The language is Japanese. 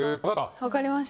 わかります。